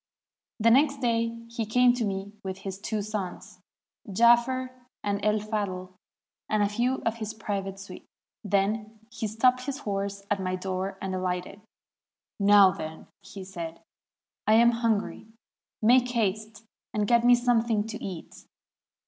The next day he came to me with his two sons, Jaafer and El Fadhl, and a few of his private suite. Then he stopped his horse at my door and ahghted. 'Now, then/ said he, 'I am hungry. Make haste and get me something to eat.'